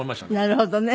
なるほどね。